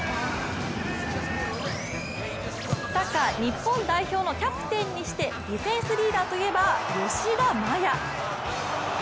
サッカー日本代表のキャプテンにしてディフェンスリーダーといえば吉田麻也。